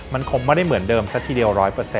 มันคงไม่ได้เหมือนเดิมซะทีเดียว๑๐๐